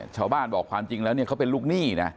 ชาวบ้านบอกความจริงแล้วเนี่ยเขาเป็นลูกหนี้นะ